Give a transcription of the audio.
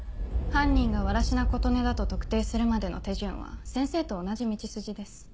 犯人が藁科琴音だと特定するまでの手順は先生と同じ道筋です。